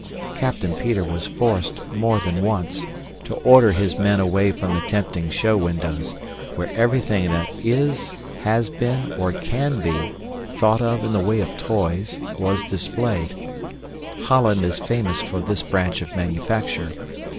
Captain Peter was forced, more than once, to order his men away from the tempting show windows, where everything that is, has been, or can be, thought of in the way of toys was displayed. Holland is famous for this branch of manufacture.